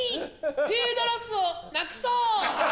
フードロスをなくそう！